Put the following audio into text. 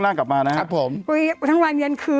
น้ำ๑๕๐๐๐มา